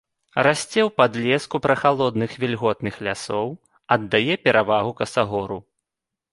Расце ў падлеску прахалодных вільготных лясоў, аддае перавагу касагору.